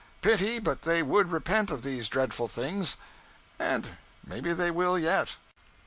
Pity but they would repent of these dreadful things and maybe they will yet.'